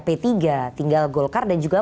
p tiga tinggal golkar dan juga